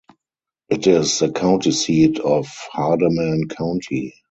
It is the county seat of Hardeman County.